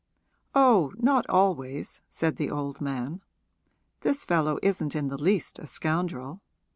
'Oh, not always,' said the old man. 'This fellow isn't in the least a scoundrel.